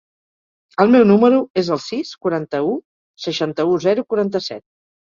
El meu número es el sis, quaranta-u, seixanta-u, zero, quaranta-set.